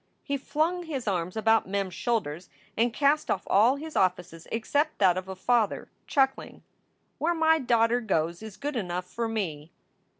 He flung his arms about Mem s shoulders and cast off all his offices except that of a father, chuckling: "Where my daughter goes is good enough for me!"